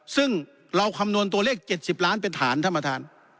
ซึ่งเราคำนวณตัวเลข๗๐ล้านเป็นฐานท่านประธาน